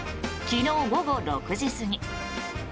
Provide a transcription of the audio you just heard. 昨日午後６時過ぎ。